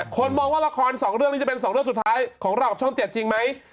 คนมองว่าละคร๒เรื่องนี้จะเป็น๒เรื่องสุดท้ายของเรากับช่อง๗จริงไหม